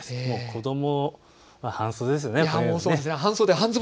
子どもは半袖ですよね。